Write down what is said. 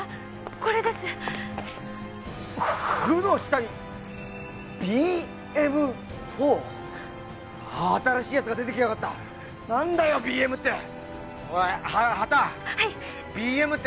これです「不」の下にＢ．Ｍ．４？新しいやつが出てきやがった何だよＢ．Ｍ．っておいハタＢ．Ｍ．って